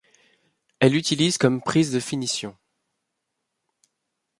Elle l'utilise comme prise de finition.